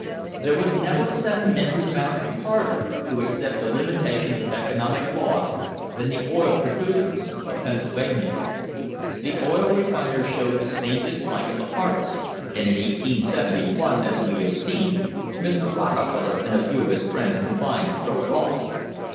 There was never a set of men who found it harder to accept the limitations of economic laws than the oil pro ducers of Pennsylvania. The oil refiners showed the same dislike of the harness, and in 1871, as we have seen, Mr. Rockefeller and a few of his friends combined to throw it off.